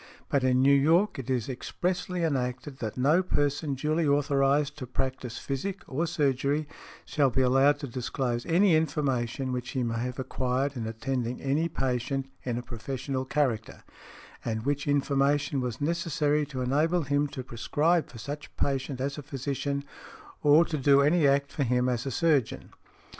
But in New York it is expressly enacted that "no person duly authorized to practise physic, or surgery, shall be allowed to disclose any information which he may have acquired in attending any |95| patient in a professional character, and which information was necessary to enable him to prescribe for such patient as a physician, or to do any act for him as a surgeon" .